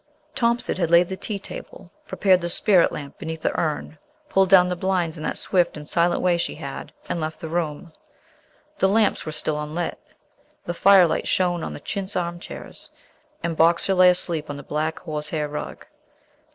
Thompson had laid the tea table, prepared the spirit lamp beneath the urn, pulled down the blinds in that swift and silent way she had, and left the room. The lamps were still unlit. The fire light shone on the chintz armchairs, and Boxer lay asleep on the black horse hair rug.